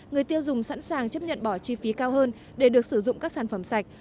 người tiêu dùng sẵn sàng chấp nhận bỏ chi phí cao hơn để được sử dụng các sản phẩm sạch